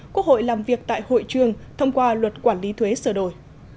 quốc hội làm việc tại hội trường thông qua luật quản lý thuế sửa đổi